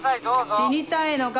死にたいのか？